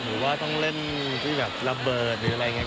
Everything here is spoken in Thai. หรือว่าต้องเล่นที่แบบระเบิดหรืออะไรอย่างนี้